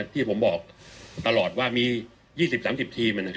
ที่ผมบอกตลอดว่ามี๒๐๓๐ทีม